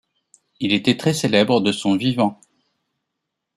Il était très célèbre de son vivant.